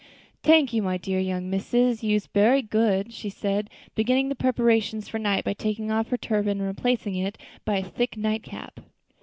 "Tank you, my dear young missus, you's berry good," she said, beginning the preparations for the night by taking off her turban and replacing it by a thick night cap.